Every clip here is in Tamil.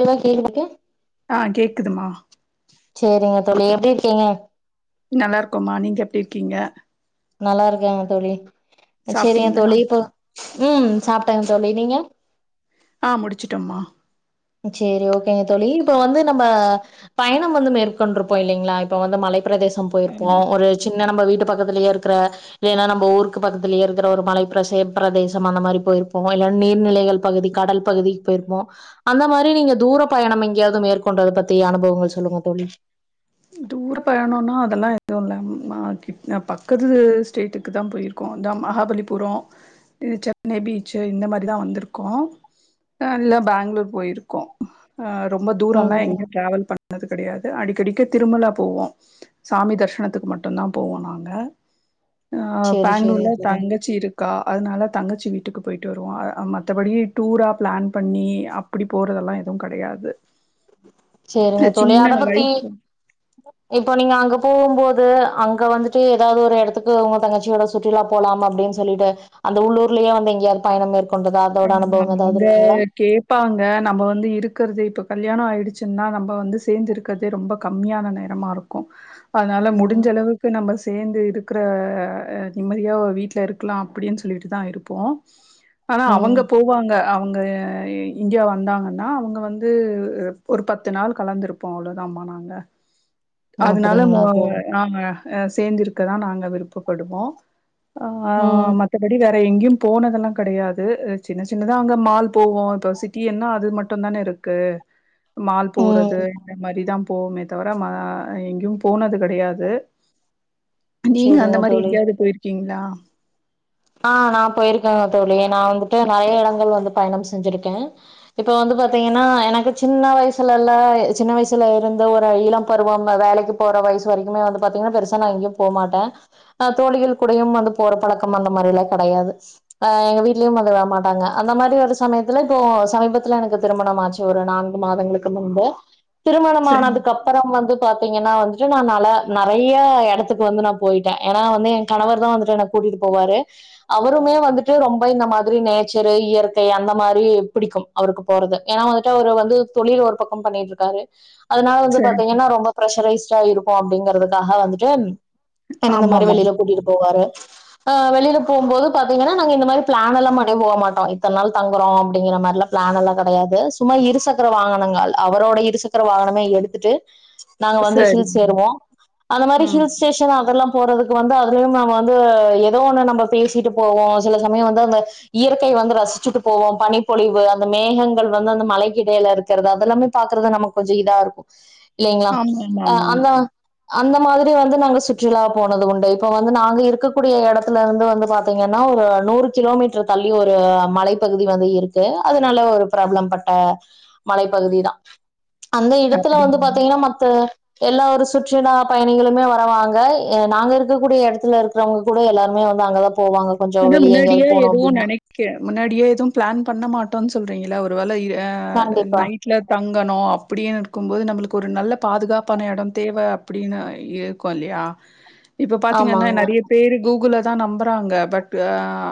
எவ்ளோ கேட்டுகிட்டுக ஆ கேக்குதுமா செரிங்க தோழி எப்டி இருக்கீங்க நல்லா இருக்கோமா நீங்க எப்டி இருக்கீங்க நல்லா இருக்காங்க தோழி செரிங்க சாப்ட்டீங்களா தோழி இப்போ ம் சாப்டாங்க தோழி நீங்க ஆ முடிச்சுட்டோமா சேரி ஓகேங்க தோழி இப்ப வந்து நம்ம பயணோ வந்து மேற்கொண்டிருப்போ இல்லங்ளா இப்ப வந்து மலைப்ப பிரதேசம் போயிருப்போ ஆமா ஒரு சின்ன நம்ம வீட்டு பக்கத்துலேயே இருக்கிற ஏனா நம்ம ஊருக்கு பக்கத்துல இருக்குற ஒரு மலை பிரச பிரதேசம் அந்த மாரி போயிருப்போ இல்லனா நீர்நிலைகள் பகுதி கடல் பகுதிக்கு போயிருப்போ அந்த மாரி நீங்க தூர பயணம் எங்கேயாவது மேற்கொண்டத பத்தி அனுபவங்கள் சொல்லுங்க தோழி தூர பயணோன்னா அதெல்லா எதுவும் இல்ல மா கிட் பக்கத்து ஸ்டேட்டுக்கு தான் போயிரு கோ இந்த மகாபலிபுரம் இந்த சென்னை பீச்சு இந்த மாதிரி தா வந்திருக்கோ நல்ல பேங்ளூர் போயிருக்கோ ஆ ரொம்ப தூரல்லா ம் எங்கயு டிராவல் பண்ணது கெடையாது அடிக்கடிக்கு திருமலா போவோ சாமி தரிஷனத்துக்கு மட்டும் தா போவோ நாங்க ஆ சேரி சேரி பேங்ளூர்ல தோழி தங்கச்சி இருக் கா அதனால தங்கச்சி வீட்டுக்கு போயிட்டு வருவோ மத்தபடி டூரா பிளான் பண்ணி அப் பிடி போறதெல்லா எதுவு கெடையாது செரிங்க தோழி அத சின்ன பத்தி வயசு இப்ப நீங்க அங்க போவும்போது அங்க வந்துட்டு எதாவது ஒரு இடத்துக்கு உங்க தங்கச்சியோட சுற்றுலா போலாம் அப்டின் சொல்லிட்டு அந்த உள்ளூர்லயே வந்து எங்கயாவது பயணம் மேற் [unintelligible] அப்டியே கேப் பாங்க நம்ம வந்து இருக்கிறது இப்போ கல்யாணம் ஆகிடுச்சுன்னா நம்ம வந்து சேந்து இருக்கிறதே ரொம்ப கம்மியான நேரமா இருக் அதனால ம், முடிஞ்ச அளவு க்கு நம்ம சேந்து இருக்கிற நிம்மதியா ஒரு வீட்டுல இருக்கலாம் அப்படின்னு சொல்லிட்டு தான் இருப்போ ம். அங்க போவாங்க அப் அவுங்க இந்தியா வந்தாங்கன்னா அவுங்க வந்து ஒரு பத்து நாள் கலந்துருப்போ அவ்வளோதான்மா நாங்க அதனால அப்டிங்களா முவாக தோழி. நாங்க ஆ சேர்ந்திருக்கதா நாங்க விருப்பப்படுவோ ஆ ம், மத்தபடி வேற எங்கயு போனதெல்லா கெடையா து சின்ன சின்னதா அங்க மால் போவோ இப்ப சிட்டி என்னா அது மட்டும் தானே இருக்கு மால் ம். போறது இந்த மாதிரிதான் போவோமே தவிர எங்கயு போனது கெடையாது நீங்க அந்த சரிங்க மாதிரி தோழி. எங்கேயாவது போயிருக்கீங்ளா ஆ நான் போயிருக்கேன்ங்க தோழி நான் வந்துட்டு நெறைய இடங்கள் வந்து பயணம் செஞ்சிருக்கே இப்ப வந்து பாத்தீங்கன்னா எனக்கு சின்ன வயசுல எல்லா சின்ன வயசுல இருந்த ஒரு இளம் பருவம் வேலைக்கு போற வயசு வரைக்குமே வந்து பாத்தீங்கன்னா பெருசா நான் எங்கயு போமாட்ட தோழிகள் கூடையும் வந்து போற பழக்க ம் அந்த மாதிரி எல்லாம் கெடையாது அ எங்க வீட்லயு அதல்லா மாட்டாங்க அந்த மாதிரி ஒரு சமயத்துல இப்போ சமீபத்துல எனக்கு திருமணம் ஆச் சு ஒரு நான்கு மாதங்களுக்கு முன்பு சரி திருமணமானதுக்கு அப் பறம் வந்து பாத்தீங்கன்னா வந்துட்டு நான் நல்லா நெறைய இடத்துக்கு வந்து நா போயிட்டே ஏன்னா வந்து என் கணவர் தான் வந்துட்டு என்ன கூட்டிட்டு போவாரு அவருமே வந்துட்டு ரொம் ப இந்த மாதிரி நேச்சர் இயற்கை அந்த மாரி புடிக்கும் அவருக்கு போறது ஏன்னா வந்துட்டு அவரு வந்து தொழில் ஒரு பக்கம் பண்ணிட்டு இருக்காரு அதனால வந்து சரி. பாத்தீங்கன்னா ரொம்ப ப்ரெஷரைஸ்டா இருக்கு அப்டிங்கிறதுக்காக வந்துட்டு என்ன இந்த மாரி ஆமாமா. வெளியில கூட்டிட்டு போவாரு ஆ வெளில போம்போது பாத்தீங்கன்னா நாங்க இந்த மாரி பிளான் எல்லா பண்ணி போமாட்டோ இத்தன நாள் தங்குறோம் அப்படிங்கிற மாரிலா பிளான் எல்லாம் கெடையாது சும்மா இருசக்கர வாகனங்கள் அவரோட இருசக்கர வாகனமே எடுத்துட்டு நாங்க வந்து சரி. ஹில்ஸ் ஏருவோம் அந்த மாதிரியான ம். ஹில்ஸ் ஸ்டேஷ் அதெல்லாம் போறதுக்கு வந்து அதுலையும் நம்ம வந்து எ தோ ஒண்ணு நம்ம பேசிட்டு போவோம் சில சமயம் வந்து அந்த இயற்கை வந்து ரசிச்சுட்டு போவோம் பனிப்பொழிவு அந்த மேகங்கள் வந்து அந்த மலைக்கு இடையில இருக் றது அதெல்லாமே பாக்குறது நமக்கு கொஞ்சம் இதா இருக்கும் இல்லைங்ளா அ ஆமாமாமா. அந்த அந்த மாதிரி வந்து நாங்க சுற்றுலா போனது உண்டு இப்ப வந்து நாங்க இருக்கக்கூடிய எடத் துல வந்து வந்து பாத்தீங்கன்னா ஒரு நூறு கிலோமீட்டர் தள்ளி ஒரு மலைப்பகுதி வந்து இருக் கு அதுனால ஒரு ப்ராப்ளம் பட்ட மலைப்பகுதி தா அந்த இடத்துல வந்து அப்படிங்களா? பாத்தீங்கன்னா மத்த எல்லா ஒரு சுற்றுலா பயணிகளுமே வரவாங்க நாங்க இருக்கக்கூடிய எடத்துல இருக்கிறவுங்க கூட எல்லா ருமே வந்து அங்கதா போவாங்க கொஞ்ச வெளிய எங்கயாவது போனு அப்டின்னா கே முன்னாடியே எதுவு பிளான் பண்ண மாட்டோன்னு சொல்றீங்களா ஒரு வேளை அ கண்டிப்பா நை ட்ல தங்கணு அப்டினு இருக்கும்போது நம்மளுக்கு ஒரு நல்ல பாதுகாப்பான எட தேவ அப்டின்னு இருக்கோ இல்லயா இப்ப பாத்தீங்கன்னா ஆமாங்க நெறைய பேர் கூகுள தா நம்புறாங்க பட்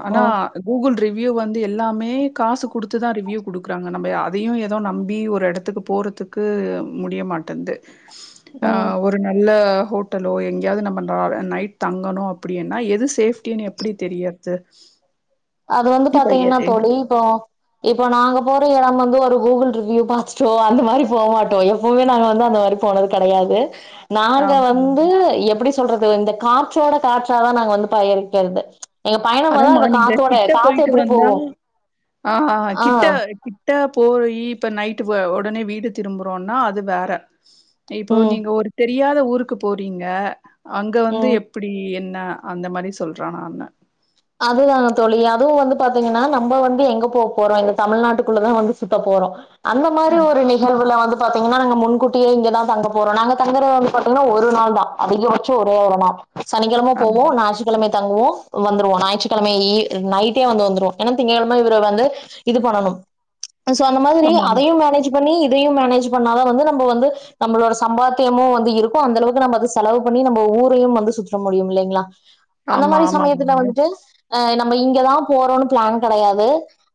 ஆனா ம் கூகுள் ரிவ்யூ வந்து எல்லாமே காசு குடுத்துதா ரிவ்யூ குடுக்குறாங்க நம்ம அதையு ஏதோ நம்பி ஒரு எடத்துக்கு போறதுக்கு முடியமாட்டேது ஆ ம் ஒ ரு நல்ல ஹோட்டலோ எங்கேயாவது நம்ம அ நைட் தங்கணு அப்டினா எது சேஃப்டினு எப்டி தெரியற து அது வந்து பாத்தீங்கன்னா தோழி இப்போ இப்ப நாங்க போற எடம் வந்து ஒரு கூகுள் ரிவியூ பாத்துட்டோ அந்த மாரி போ மாட்டோ எப்பவுமே நாங்க வந்து அந்த மாரி போனது கெடையாது நாங்க ஆமா. வந்து எப்புடி சொல்றது இந்த காற்றோட காற்றாதா நாங்க வந்து பயணிக்கெறது எங்க பயணம் வந்து அதாம்மா அந்த நீங்க காத் கிட்ட போயிட்டு வந்தா ஆ ஆ கிட்ட கி ட்ட போயி இப்ப நைட் வ உடனே வீடு திரும்புறோனா அது வேற இப்போ ம் நீங்க ஒரு தெரியாத ஊருக்கு போறீங்க அங்க வந்து ம் எப் பிடி என்ன அந்த மாரி சொல்றானானு அதுதாங்க தோழி அதுவு வந்து பாத்தீங்கன்னா நம்ம வந்து எங்க போ போறோ எங்க தமிழ்நாட்டுக்குள்ளதா வந்து சுத்த போறோ அந்த அ மாரி ஒரு நி கழ்வுல வந்து பாத்தீங்கன்னா நாங்க முன்கூட்டியே இங்கதா தங்க போறோ நாங்க தங்கற வந்து பாத்தீங்கன்னா ஒரு நாள் தா அதிகபட்ச ஒரே ஒரு நாள் சனிக்கெழம ஆ போவோ ஞாயிதுக்கெழம தங்குவோ வந்து இப்போ ஞாயிற்றுக்கெழமை இ நைட்டே வந்து வந்துருவோ ஏன்னா திங்ககெழம இவரு வந்து இது பண்ணனும் சோ அந்த மாதிரி ஆமாமா. அதையு மேனேஜ் பண்ணி இதையும் மேனேஜ் பண்ணாதான் வந்து நம்ம வந்து நம்மளோட சம்பாத்தியமு வந்து இருக்கு அந்த அளவுக்கு நம்ம அது செலவு பண்ணி நம்ம ஊரையும் வந்து சுற்ற முடியும் இல்லைங்களா அந்த ஆமா மாரி ஆமாமா. சமயத்துல வந்துட்டு ஆ நம்ம இங்கதா போறோம்னு பிளான் கெடையாது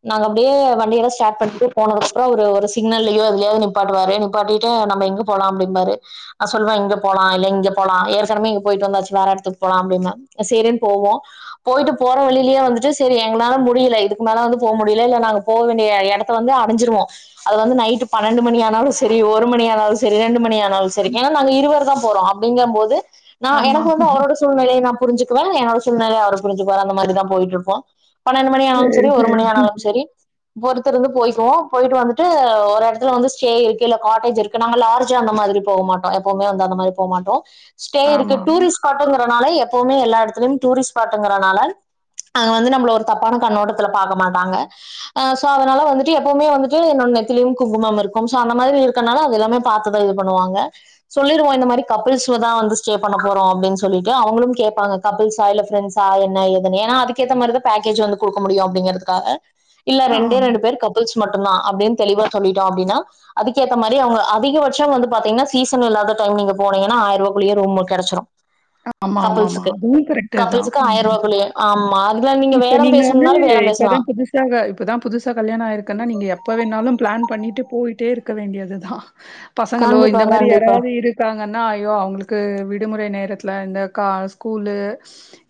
நாங்க அப்டியே வண்டிலாம் ஸ்டார்ட் பண்ணிட்டு போனதுக்கு அப்புற ஒரு சிக்னல்லயோ எதுலயாவது நிப்பாட்டுவாரு நிப்பாட்டிட்டு நம்ம எங்கப் போலாம்ப்டிம் பாரு அ சொல்லுவன் இங்க போலா இல்ல இங்க போலா ஏற்கனவே இங்க போயிட்டு வந்தாச்சு வேற எடத்துக்கு போலாம் அப்டின்னு சேரினு போவோ போயிட்டு போற வழியிலே வந்துட்டு சேரி எங்களால முடியல இதுக்கு மேலே வந்து போமுடியல இல்ல நாங்க போவேண்டிய எ எடத் த வந்து அடைஞ்சிருவோ அது வந்து நைட் பன்னெண்டு மணி ஆனாலு செரி ஒரு மணி ஆனாலு செரி ரெண்டு மணி ஆ னாலு சரி ஏ நாங்க இருவரு தா போறோ அப்டிங்கும் போது நா ஆமா. ஆமா எனக்கு ஆமா வந்து அவரோட சூழ்நிலைய நா புரிஞ்சுக்குவே என்னோட சூழ்நிலை அவர் புரிஞ்சுக்வார் அந்த மாரிதா போயிட்ருப்போ பன்னெண்டு மணி ஆனாலும் சரி ஒரு மணி ஆனாலும் சரி பொறுத்துருந்து போய்க்குவோ போயிட்டு வந்துட்டு ஒரு எடத்துல வந்து ஸ்டே இருக்கு இல்ல காட்டேஜ் இருக்கு நாங்க லார்ஜ் அந்த மாரி போக மாட்டோ எப்பவுமே வந்து அந்த மாரி போ மாட்டோ ஸ்டே இருக்கு ஆமா. டூரிஸ் பாட்ங்கனால எப்பவுமே எல்லா எடத்துலயும் டூரிஸ்பாட் ங்கறனால அங்க வந்து நம்மள ஒரு தப்பான கண்ணோட்டத்துல பாக்க மாட்டாங்க அ சோ அதனால வந்துட்டு எப்பவுமே வந்துட்டு என்னோட நெத்திலயு குங்குமம் இருக்கு சோ அந்த மாரி இருககனால அது எல்லாமே பாத்துதா இது பண்ணுவாங்க சொல்லிருவோ இந்த மாரி கப்பில்ஸ்லதா வந்து ஸ்டே பண்ண போறோ அப்டின்னு சொல்லிட்டு அவுங்களு கேப்பாங்க கப்பிள்ஸா இல்ல ஃப்ரண்ட்ஸ் ஸா என்ன ஏதுன் ஏன்னா அதுக்கேத்த மாரிதா பேக்கேஜ் வந்து குடுக்க முடியு அப்டிங்கறதுக்காக இல்ல ஆ ரெண்டே ரெண்டு பேரு கப் பிள்ஸ் மட்டுந்தா அப்டின்னு தெளிவா சொல்லிட்டோ அப்டின்னா அதுக்கேத்த மாரி அவுங்க அதிகபட்சோ வந்து பாத்தீங்கன்னா சீசன் இல்லாத டைம் நீங்க போனீங்கன்னா ஆயரூவாகுள்ளயே ரூம் கெடைச்சிரு ஆமா ஆமா ஆமா அதுவு கரெக்ட்டுதா மொத்தோ ஆயிர்ரூபாய்க்குள்ளயே ஆமா அதுல நீங்க பேரம் பேசணுன்னாலு பேரம் பேசலா இதாங்க இப்பதா புதுசா கல்யாண ஆயிருக்குன்னா நீங்க எப்போ வேண்ணாலு பிளான் பண்ணிட்டு போயிட்டே இருக்க வேண்டியது தா பசங்களோ கண்டிப்பா இந்த மாரி கண்டிப்பா யாராவது இருக் இருக்காங்கன்னா ஐயோ அவுங்களுக்கு விடுமுறை நேரத்துல இந்த கா ஸ்கூலு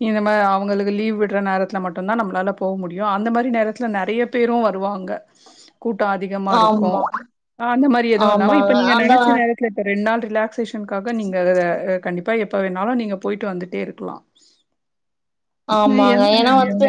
இந்த மே அவுங்களுக்கு லீவ் விட்ற நேரத் துல மட்டுந்தா நம்ளால போவ முடியு அந்த மாரி நேரத்துல நறைய பேரு வருவாங்க கூட்ட அதிகமாருக்கோ ஆமா அந்த மாரி எதுவு இல்லாம இப்ப ஆமாங்க நீங்க அந்த நெனச்ச நேரத் துல இப்ப ரெண்டு நாள் ரிலாக்சேஷன்க்காக நீங்க அ கண்டிப்பா எப்போ வேண்ணாலு நீங்க போயிட்டு வந்துட்டேருக்லா ஆமாங்க ஏனா வந்துட்டு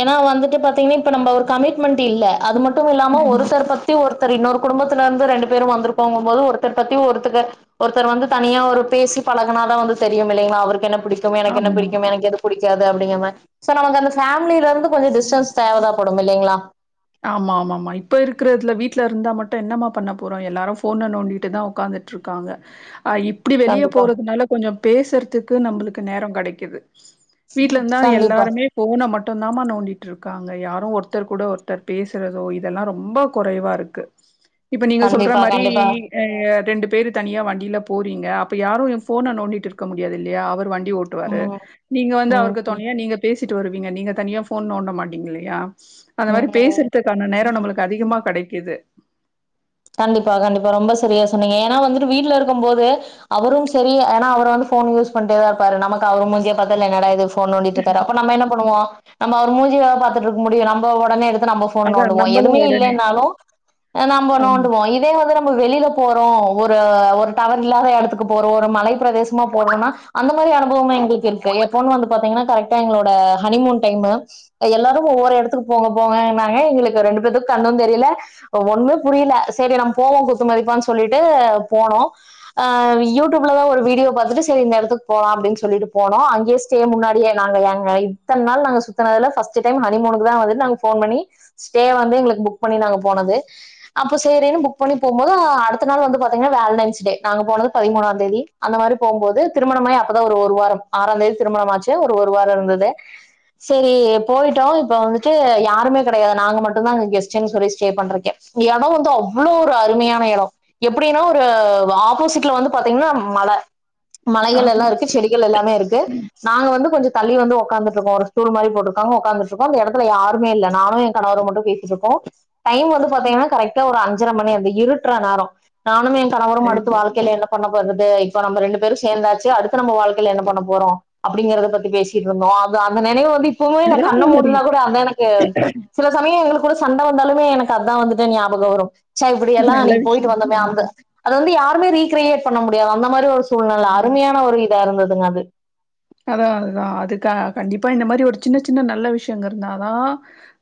ஏனா வந்துட்டு பாத்தீங்கனா இப்ப நம்ப ஒரு கமிட்மெண்ட் இல்ல அது மட்டுமில்லாம ஒரு சற்பத் த்தி ஒருத்தர் இன்னொரு குடும்பத்தல இருந்து ரெண்டு பேரு வந்துருப்பாங்கும்போது ஒருத்தர் பத்தி ஒருத்தக ஒருத்தர் வந்து தனியா ஒரு பேசி பழகனாதா வந்து தெரியு இல்லைங்ளா அவருக்கு என்ன பிடிக்கு எனக்கு என்ன ஆமா பிடிக்கு எனக்கு எது புடிக்காது அப்டிங்க மாரி சோ நமக்கு அந்த ஃபேமில இருந்து கொஞ்சோ டிஸ்டன்ஸ் தேவைதா படு இல்லைங்ளா ஆமா ஆமா மா இப்ப இருக்கிறதுல வீட்ல இருந்தா மட்டு என்னமா பண்ண போறோ எல்லாரு போன நோண்டிட்டே தா உக்காந்துட் ருக்காங்க அ இப் இப்டி வெளியே கண்டிப்பா போறதுனால கொஞ்சோ பேசறதுக்கு நம்ளுக்கு நேரோ கெடைக்குது வீட்ல இந்தா கண்டிப்பா எல்லாருமே போன மட்டுந்தாம நோண்டிட் இருக்காங்க யாரோ ஒருத்தர் கூட ஒருத் தர் பேசுறதோ இதெல்லா ரொம்போ குறைவாருக்கு இப்ப நீங்க சொல்ற கண்டிப்பா மாரி கண்டிப்பா எ எ ரெண்டு பேரு தனியா வண்டில போறீங்க அப்ப யாரோ எ போன நோண்டிட் இருக்க முடியாது இல்லையா அவரு வண்டி ஓட் டுவாரு ம் நீங்க வந்து அவருக்கு ம் தொணையா நீங்க பேசிட்டு வருவீங்க நீங்க தனியா போன் நோண்ட மாட்டீங்கல்லியா அந்த மாரி ம் பேசுற்துக்கான நேரோ நம்ளுக் அதிகமா க டைக்குது கண்டிப்பா கண்டிப்பா ரொம்ப சரியா சொன்னீங்க ஏன்னா வந்துட்டு வீட்ல இருக்கும் போது அவரும் செரி ஆனா அவரு வந்து போன் யூஸ் பண்ட்டேதா இருப்பாரு நமக்கு அவர் மூஞ்சிய பாத்தாலே என்னடா இது ஃபோன் நோண்டிட்ருக்காரு அப்ப நம்ப என்ன பன்னுவோ நம்ப அவர் மூஞ்சியேவா பாத்துட்ருக்க முடியு நம்போ உடனே எடுத்து நம்ப ஃபோன் அதான் நோண்டுவோ நம்பளும் எதுவுமே உடனே இல்லைனாலு நம்ம நோண் ஆமா. மைதே இதே வந்து நம்போ வெளியில போறோ ஒரு ஒரு டவர் இல்லாத எடத்துக்கு போறோ ஒரு மலை பிரதேசமா போறோனா அந்த மாதிரி அனுபவமா எங்குளுக்கு இருக்கு எ பொன்னு வந்து பாத்தீங்கன்னா கரெக்டா எங்களோட ஹனிமூன் டைமு எல்லாரு ஒவ்வொரு எடத்துக்கு போங்க போங்கன்னாங்க எங்களுக்கு ரெண்டு பேத்துக்கு கண்ணு தெரில ஒண்ணமே புரில செரி நம் போவோ குத்துமதிப்பான் சொல்லிட்டு போனோ ஆ யூடூப்ல தா ஒரு வீடியோ பாத்துட்டு செரி இந்த எடத்துக் போலா அப்டின் சொல்லிட்டு போனோ அங்கியே ஸ்டே முன்னாடியே நாங்க ஏங்க இத்தன் நாள் நாங்க சுத்தனதுல ஃபஸ்ட்டு டைம் ஹனிமூனுக்கு தா வந்துட்டு நாங்க ஃபோன் பண்ணி ஸ்டே வந்து எங்ளுக்கு புக் பண்ணி நாங்க போனது அப்போ சேரினு புக் பண்ணி போம்போது அடுத்த நாள் வந்து பாத்தீங்னா வேலன்டைன்ஸ் டே நாங்க போனது பதிமூணாந்தேதி அந்த மாரி போம்போது திருமணமாயி அப்பதா ஒரு ஒரு வாரம் ஆறாந்தேதி திருமணம் ஆச்சு ஒரு ஒரு வார இருந்தது சேரி போயிட்டோ இப்ப வந்துட்டு யாருமே கிடையாது நாங்க மட்டுந்தா அங்க கெஸ்டுன் சொல்லி ஸ்டே பண்றக்கே இங்க எடோ வந்து அவ் அவ்ளோ ஒரு அருமையான எடோ எப்டினா ஒரு ஆப்போசிட்ல வந்து பாத்தீங்னா மல ஆ மலைகள் எல்லா இருக்கு செடிகள் எல்லாமே இருக்கு நாங்க வந்து கொஞ்சோ தள்ளி வந்து ஒக்காந்துட்ருக்கோ ஒரு ஸ்டூல் மாரி போட்ருக்காங்க ஒக்காந்துட்ருக்கோ அந்த எடத்துல யாருமே இல்ல நானு ஏ கணவரு மட்டு பேசி யிசிர்க்கோ பயங்க வந்து பாத்தீங்கனா கரெக்டா ஒரு அஞ்சர மண் நேரோ அந்த இருட்ற நேரோ நானு என் கணவரும் அடுத்து இது வாழ்க்கையில என்ன பண்ண போறது இப்ப நம்ம ரெண்டு பேரும் சேந்தாச்சு அடுத்து நம்ம வாழ்க்கையில என்ன பண்ண போறோ அப்டிங்கறத பத்தி பேசிட்ருந்தோ அது அந்த நினைவு வந்து இப்பவு அதான் அந்த மாரி இல்ல அது எனக்கு சில சமயோ எங்ளுக்கூட சண்ட வந்தாலுமே எனக்கு அத்தா வந்த்ட்டு ஞாபகோ வரும் ச்சா இப்டி எல்லா நல்ல அன்னிக்கு போய்ட்டு விஷயம் வந்தோமே அந்த ஆமா அது வந்து யாருமே ரீக்கிரியேட் பண்ண முடியாது அந்த மாரி ஒரு சூழ்நில ஆமா அருமையான ஒரு இதா இருந்துதுங்க அது அதா அதுதா அதுக்க கண்டிப்பா இந்த மாரி ஒரு சின்ன சின்ன நல்ல விஷயங்க இருந்தா தா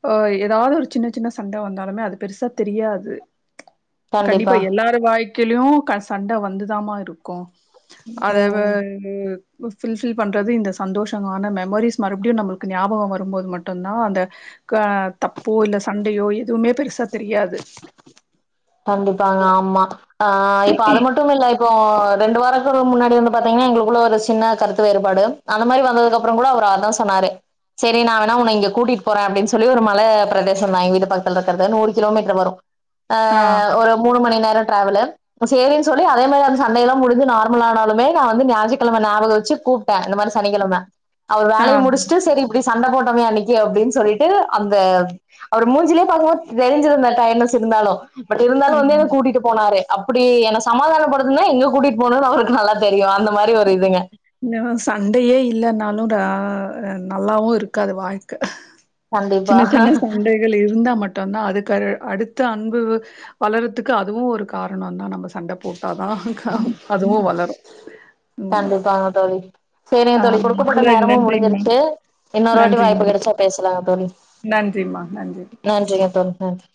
ஒ ஏதாவ்து ஒரு சின்ன சின்ன சண்ட வந்தாலுமே அது பெருசா தெரியாது கண்டிப்பா எல்லாரு வாழ்க்கிலயு சண்ட வந்துதாமா இருக் க்கும் அதவே ம் விஃவ்வில்ஸ் ஃபீல் பண்றது இந்த சந்தோஷமான மெமரிஸ் மறுபடியும் நம்மளுக்கு ஞாபகோ வரும்போது மட்டுதா அந்த ஆ தப்போ இல்ல சண்டையோ எதுவுமே பெருசா தெரியாது கண்டிப்பாங்க ஆமா ஆ இப்ப அத மட் மட்டும் இல்ல இப்போ ரெண்டு வாரோக்கு முன்னாடி வந்து பாத்தீங்கன்னா எங்களுக்குள்ள ஒரு சின்ன கருத்து வேறுபாடு அந்த மாரி வந்ததுக்கு அப்றோ கூட அவரு அத்தா சொன்னாரு செரி நா வேணா உன்ன இங்க கூட்டிட்டு போறே அப்டின்னு சொல்லி ஒரு மல ப்ரதேசோ தா எங்க வீட்டுக்கு பக்கத்துல இருக்கற்து நூறு கிலோமீட்டர் வரு ஆ ஒரு மூணு மணி நேரோ ட்ராவலு சேரின்னு சொல்லி அதே மாரி அந்த சண்டைல்லா முடிஞ்சு நார்மல் ஆனாலுமே நா வந்து ஞாஜீக்கெழம ஞாபகோ வச்சு கூப்ட்டே இந்த மாரி சனிக்கெழம அவர் ஆ வேலைய முடிச்சுட்டு சரி இப்டி சண்ட போட்டமே அன்னிக்கு அப்டின்னு சொல்லிட்டு அந்த அவரு மூஞ்சுலே பாக்கும் போது தெரிஞ்சுருமே டயட்னஸ் இருந்தாலு பட் இருந்தாலு வந்து என்ன ம் கூட்டிட்டு போனாரு அப்டி என்ன சமாதானப்படுத்துன்னா எங்க கூட்டிட்டு போனு அவருக்கு நல்லா தெரியு அந்த மாரி ஒரு இதுங்க னவ் சண்டையே இல்லன்னாலு நல்லாவும் இருக்காது வாழ்க்க கண்டிப்பா சின்ன சின்ன சண்டைகள் இருந்தா மட்டும்தா அதுக்கு அடுத்த அன்பு வளர்றதுக்கு அதுவு ஒரு காரணோ தா நம்ம சண்ட போட்டாதா அதுவு வளரு உம் கா தல் சேரிங்க தோழி குடுக்கப்பட்ட நேரமு நன்றிங்கம்மா முடிஞ்சிருச்சு இன்னொரு வாட்டி வாய்ப்பு கெடச்சா பேசலாங்க தோழி நன்றிமா நன்றி நன்றிங்க தோழி நன்றி